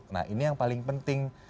nah ini yang paling penting